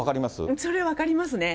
それは分かりますね。